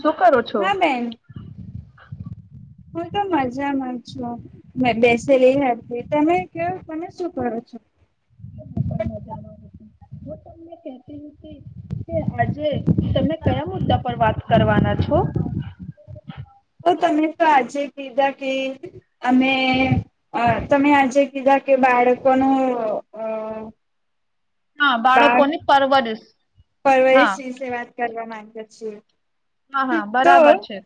શું કરું છો? હા બેન હું તો મજામાં છું, મેં બેસેલી હતી, તમે ક્યો તમે શું કરો છો? [inaudible] [inaudible] તી કે આજે તમે કયા મુદ્દા પર વાત કરવાના છો? તો તમે તો આજે કીધા કે અમે અ તમે આજે કીધા કે બાળકોનો અ હા બાર બાળકોની પરવરિશ હા પરવરીશ વિશે વાત કરવા માંગ પછી હા હા બરાબર છે.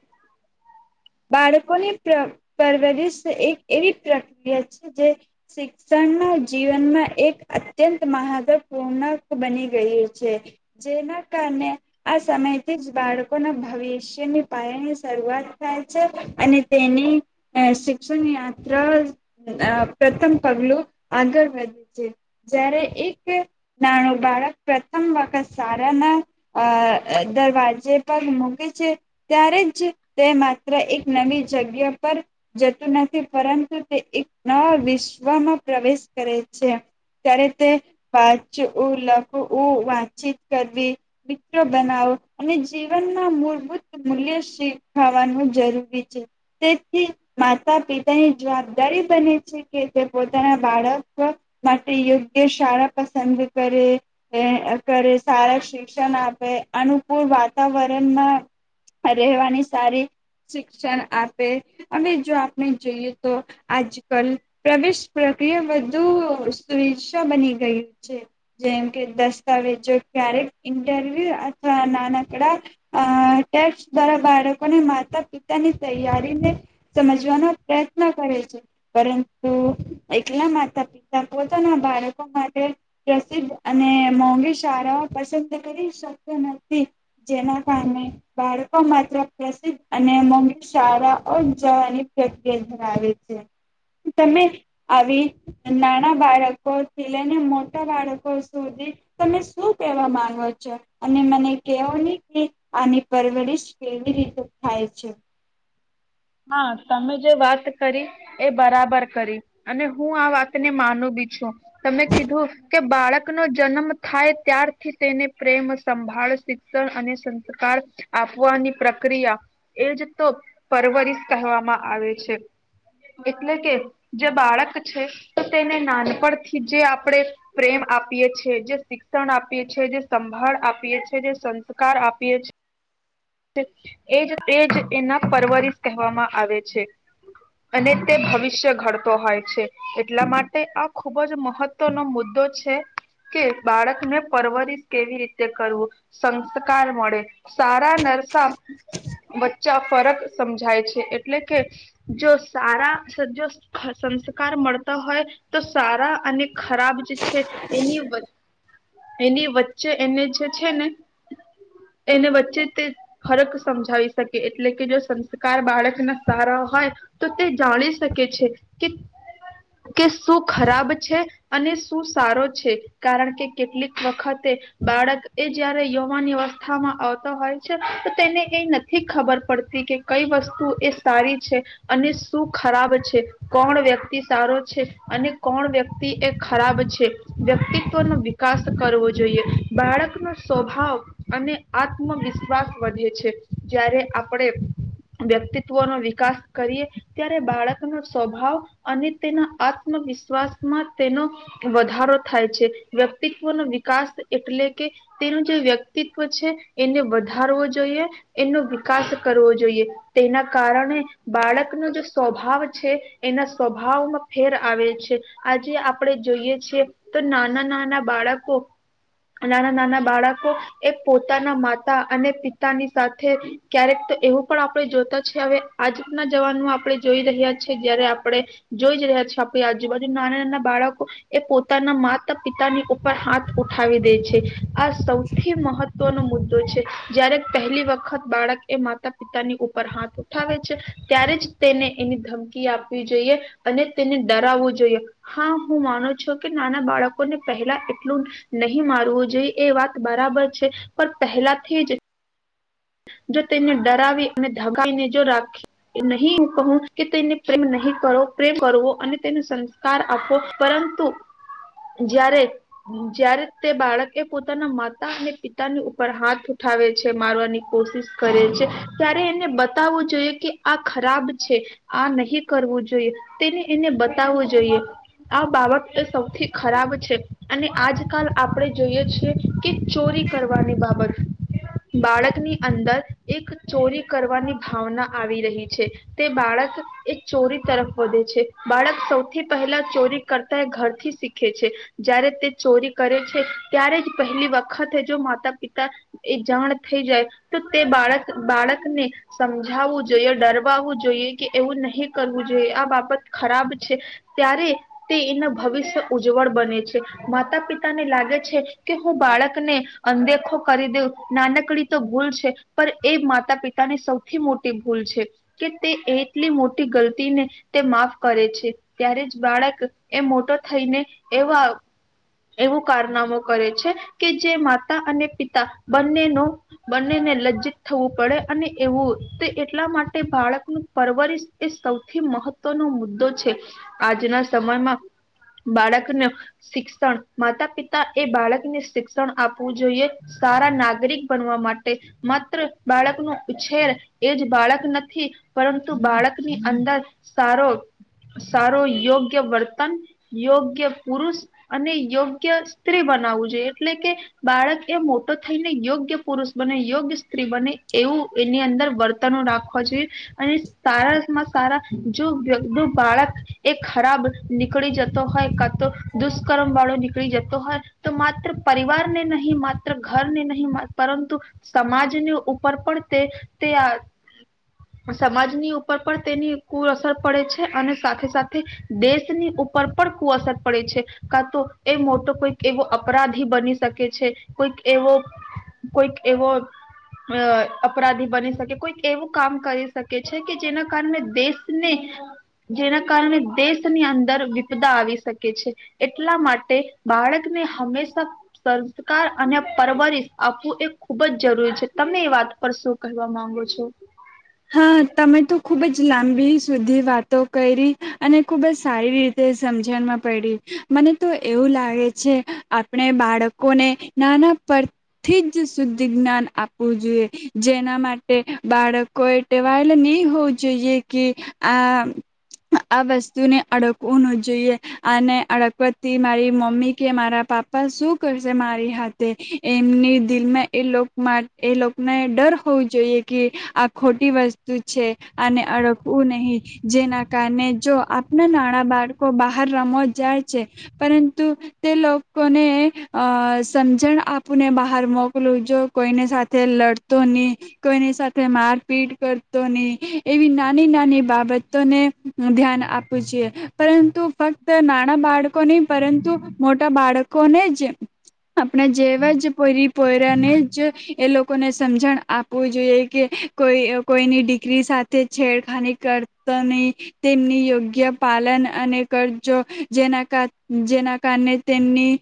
બાળકોની પર પરવરિશ એક એવી પ્રક્રિયા છે. જે શિક્ષણના જીવનમાં એક અત્યંત મહત્વપૂર્ણક બની ગયું છે. જેના કારણે આ સમયથી જ બાળકોના ભવિષ્યની પાયાની શરૂઆત થાય છે. અને તેની શિક્ષણ યાત્ર પ્રથમ પગલું આગળ વધે છે. જ્યારે એક નાનું બાળક પ્રથમ વખત શારાના દરવાજે પગ મૂકે છે. ત્યારે જ તે માત્ર એક નવી જગ્યા પર જતું નથી. પરંતુ તે એક નવા વિશ્વમાં પ્રવેશ કરે છે. ત્યારે તે વાંચવું, લખવું, વાતચીત, કરવી મિત્રો બનાવો અને જીવનના મૂળભૂત મૂલ્યી ખાવાનું જરૂરી છે. તેથી માતા પિતાની જવાબદારી બને છે કે તે પોતાના બાળક માટે યોગ્ય શાળા પસંદ કરે કરે સારા શિક્ષણ આપે અનુકૂળ વાતાવરણમાં રહેવાની સારી શિક્ષણ આપે. હવે જો આપણે જોઈએ તો આજ કલ પ્રવેશ પ્રક્રિયા વધુ સુવિચ્છા બની ગયી છે. જેમ કે દસ્તાવેજો ક્યારેક ઇન્ટરવ્યુ અથવા નાનકડા ટેક્સ દ્વારા બાળકો માતા પિતાની તૈયારીને સમજવાનો પ્રયત્ન કરે છે. પરંતુ એકલા માતા પિતા પોતાના બાળકો માટે પ્રસિદ્ધ અને મોંઘી શળાઓ પસંદ કરી શકતો નથી. જેના કારણે બાળકો માત્ર અને [inaudible] શાળા જવાની પ્રક્રિયા ધરાવે છે. તમે આવી નાના બાળકોથી લઈને મોટા બાળકો સુધી તમે શું કહેવા માંગો છો? અને મને કેવો નહી કે આની પરવરિશ કેવી રીતે થાય છે? હા તમે જે વાત કરી એ બરાબર કરી અને હું આ વાતને માનું બી છું. તમે કીધું કે બાળક. નો જન્મ થાય ત્યારથી તેને પ્રેમ સંભાળ શિક્ષણ અને સંસ્કાર આપવાની પ્રક્રિયા એજ તો પરવરી. કહેવામાં આવે છે એટલે કે જે બાળક છે તો તેને નાનપણથી જે આપણે પ્રેમ આપીએ છ છેએ જે શિક્ષણ આપીએ છેએ જે સંભાળ આપીએ છ છેએ જે સંસ્કાર આપીએ છ છેએ. એજ એજ એના પરવરિશ કહેવામાં આવે છે અને તે ભવિષ્ય ઘડતો હોય છે એટલા માટે આ ખુબ જ મહત્વનો મુદ્દો છે કે બાળકને પરવરિશ કેવી રીતે કરવું સંસ્કાર મળે સારા ન. સાફ વચ્ચા ફરક સમજાય છે એટલે કે જો સારા જો સંસ્કાર મળતા હોય તો સારા. અને ખરાબ જે છે એની. એની વચ્ચે એને જે છે ને એને વચ્ચે તે. ફરક સમજાઇ શકે એટલે કે જો સંસ્કાર બાળકના સારા હોય તો તે જાણી શકે છે કે કે શું ખરાબ છે અને શું સારો છે કારણ કે કેટલીક વખતે બાળક એ જયારે યવાન અવસ્થામાં આવતા હોય છે. તેને એ નથી ખબર પડતી કે કઈ વસ્તુ એ સારી છે અને શું ખરાબ છે કોણ વ્યક્તિ સારો છે અને કોણ વ્યક્તિ એ ખરાબ છે વ્યક્તિત્વ નો વિકાસ કરવો જોઈએ બાળકનો સ્વભાવ અને આત્મવિશ્વાસ. વધે છે જારે આપણે વ્યક્તિત્વ નો વિકાસ કરીએ ત્યારે બાળકનો સ્વભાવ. અને તેના આત્મવિશ. શ્વાસમાં તેનો વધારો થાય છે વ્યક્તિત્વનો વિકાસ એટલે કે તેનું જે વ્યક્તિત્વ છે એને વધારવો. એનો વિકાસ કરવો જોઈએ તેના કારણે બાળકનો જે સ્વભાવ છે એના સ્વભાવમાં ફેર આવે છે આજે આપણે જોઈએ છીએ તો નાના નાના બાળકો નાના નાના બાળકો એ પોતાના માતા અને. પિતાની સાથે ક્યારેક તો એવું પણ આપણે જોતા છેએ હવે આજના જવાનોમાં આપણે જોઈ રહ્યા છીએ જયારે આપણે જોઈ જ રહ્યા છીએ આપણી આજુબાજુ નાના નાના બાળકો એ પોતાના માતા પિતાની ઉપર હાથ ઉઠાવી દે છે. આ સૌથી મહ વ નો મુદ્દો છે જયારે. પહેલી વખત બાળક એ માતા પિતાની ઉપર હાથ ઉઠાવે છે ત્યારે જ તેને એની ધમકી આપવી જોઈએ અને તેને ડરાવવું જોઈએ હા હું માનું છું કે નાના બાળકોને પહેલા એટલું નહી મારવું જોઈએ એ વાત બરાબર છે પણ પહેલાથી જ. જો તેને ડરાવી અને ધગાવીને જો રાખી નહીંું કહું કે તેને પ્રેમ નહી કરો પ્રેમ કરવો અને તેને સંસ્કાર આપો પરંતુ જ્યારે જ્યારે તે બાળક પોતાના માતા અને પિતાની ઉપર હાથ ઉઠાવે છે મારવાની. ત્યારે એને બતાવવું જોઈએ કે આ ખરાબ છે આ નહી કરવું જોઈએ તેને એને બતાવવું જોઈએ આ બાબત એ સૌથી ખરાબ છે અને આજકાલ આપણે જોઈએ છેી કે ચોરી કરવાની બાબત બાળકની. અંદર એક ચોરી કરવાની ભાવના આવી રહી છે તે બાળક એક ચોરી તરફ વધે છે બાળક સૌથી પહેલા ચોરી કરતા એ ઘરથી શીખે છે જ્યારે તે ચોરી કરે છે ત્યારે જ પહેલી વખત જો માતા પિતા એ જાણ થઈ જાય. તો તે બાળકને સમજાવવું જોઈએ ડરવાવું જોઈએ કે એવું નહીં કરવું જોઈએ આ બાબત ખરાબ છે ત્યારે તે એના ભવિષ્ય ઉજ્જવળ બને છે માતા પિતાને લાગે છે કે હું બાળકને અનદેખો કરી દેઉ નાનકડી તો ભૂલ. પિતાની સૌથી મોટી ભૂલ છે કે તે એટલી મોટી ગલતીને તે માફ કરે છે ત્યારે જ બાળક એ મોટો થઈને એવા એવું કારનામો કરે છે કે જે માતા અને પિતા બંનેનો બંનેને. લજ્જિત થવું પડે અને એવું તે એટલા માટે બાળકનું પરવરિશ એ સૌથી મહત્વનો મુદ્દો છે આજના સમયમાં બાળકને શિક્ષણ માતા પિતા એ બાળકને શિક્ષણ આપવું જોઈએ સારા નાગરિક બનવા માટે. માત્ર બાળક ન ઉછેર એ જ બાળક નથી પરંતુ બાળકની અંદર સારો સારો યોગ્ય વર્તન યોગ્ય પુરુષ અને યોગ્ય સ્ત્રી બનાવવું જોઈએ એટલે કે બાળક એ મોટો થઈને યોગ્ય પુરુષ બને. યોગ્ય સ્ત્રી બને એવું એની અંદર વર્તનો રાખવા જોઈએ અને સારામાં સારા જો બાળક એ ખરાબ નીકળી જતો હોય કા તો દુષ્કર્મ વાળો નીકળી જતો હોય તો માત્ર પરિવારને નહી માત્ર ઘરને નહીં પરંતુ. સમાજની ઉપર પણ તે તે સમાજની ઉપર પણ તેની કુઅસર પડે છે અને સાથે સાથે દેશની ઉપર પણ કુ અસર પડે છે કા તો એ મોટો કોઈક એવો અપરાધી બની શકે છે કોઈક એવો કોઈક. એવો અપરાધી બની શકે કોઈક એવું કામ કરી શકે છે કે જેના કારણે દેશને જેના કારણે દેશની અંદર વિપદા આવી શકે છે એટલા માટે બાળકને હંમેશા સંસ્કાર અને પરવરિશ આપવું એ. ખુબ જ જરૂરી છે તમે એ વાત પર શું કહેવા માંગો છો. હા તમે તો ખુબ જ લાંબી સુધી વાતો કરી અને ખૂબ જ સારી રીતે સમજણમાં પડી મને તો એવું લાગે છે આપણે બાળકોને નાના પરથી જ શુદ્ધ જ્ઞાન આપવું જોઈએ જેના માટે બાળક. કોઈ ટેવાયેલ નહી હોવું જોઈએ કે આ આ વસ્તુને અડકવું ન જોઈએ અને અડકવાથી મારી મમ્મી કે મારા પાપા શું કરશે મારી હાથે એમની દિલમાં એ એ લોકોને ડર હોવો જોઈએ કે. ખોટી વસ્તુ છે અને અડકવું નહીિ જેના કારણે જો આપના નાણા બાળકો બહાર રમો જાય છે પરંતુ તે લોકોને અ સમજણ આપુને બહાર મોકલું જો કોઈને સાથે લડતો નહી કોઈની સાથે માર. પીટ કરતો નહી એવી નાની નાની બાબતોને ધ્યાન આપવું જોઈએ પરંતુ ફક્ત નાના બાળકો નહી પરંતુ મોટા બાળકોને જ આપણા જેવા જરી પોરાને જ એ લોકોને સમજણ આપવું જોઈએ કે. કોઈ કોઈની દીકરી સાથે છેડખાની કરતો નહી તેમની યોગ્ય પાલન અને કરજો જેના જેના કારણે તેમની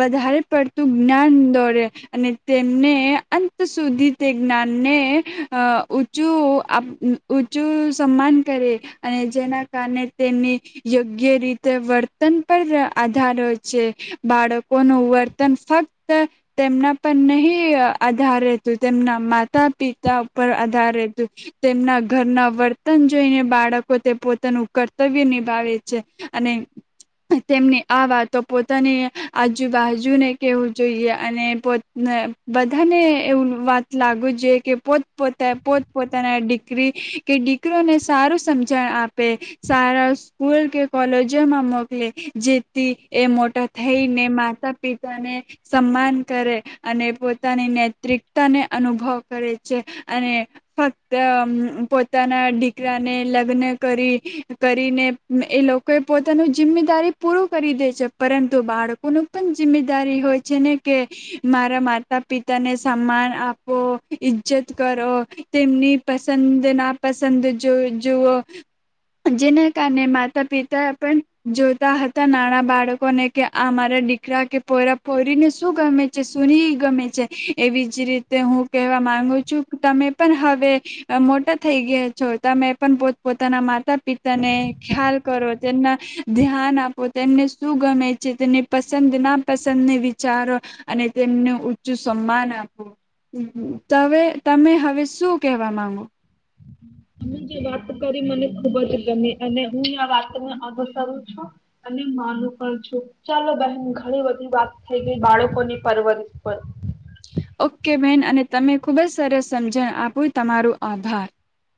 વધારે પડતું જ્ઞાન દોરે અને તેમને અંત સુધી તે જ્ઞાનને. અ ઊંચું ઊંચું સન્માન કરે અને જેના કારણે તેમની યોગ્ય રીતે વર્તન પર આધાર હો છે બાળકોનું વર્તન ફક્ત તેમના પર નહીં આધાર રહેતું તેમના માતા પિતા. તેમના ઘરના વર્તન જોઈને બાળકો તે પોતાનું કર્તવ્ય નિભાવે છે અને તેમની આ વાતો પોતાની આજુબાજુને કેવું જોઈએ અને પો બધાને એવું વાત લાગવી જોઈએ કે પો. પોત પોતાના દીકરી કે દીકરોને સારું સમજણ આપે સારા સ્કૂલ કે કોલેજોમાં મોકલે જેથી એ મોટા થઈને માતા પિતાને સન્માન કરે અને પોતાની નેતિકતા ને અનુભવ કરે છે. અને ફક્ત અમ પોતાના દીકરાને લગ્ન કરી કરીને એ લોકોએ પોતાનું જિમ્મેદારી પૂરું કરી દે છે, પરંતુ બાળકોનું પણ જિમ્મેદારી હોય છે ને, કે મારા માતા પિતાને સન્માન આપવો ઈજ્જત કરો તેમની પસંદ, ના પસંદ જ જુઓ જેના કારણે માતા પિતા પણ જોતા હતા નાના બાળકોને કે આ મારા દીકરા કે પોયરા પોયરીને શું ગમે છે, સુ ની ગમે છે એવી જ રીતે હું કેહેવા માંગુ છું, તમે પણ હવે મોટા થઈ ગયા છો, તમે પણ પોત પોતાના માતા પિતાને ખ્યાલ કરો, તેમના ધ્યાન આપો, તેમને શું ગમે છે, તેની પસંદ નાપસંદને વિચારો અને તેમને ઊંચું સન્માન આપો. તમે તમે હવે શું કહેવા માંગો? તમે જે વાત કરી મને ખુબ જ ગમી અને હું આ વાતને અનુસરું છું અને માનું પણ છું. ચાલો બહેન ઘણી બધી વાત થઈ ગઈ બાળકોની પરવરિશ પર. ઓકે બેન અને તમે ખુબ જ સરસ સમજણ આપું, તમારું આભાર.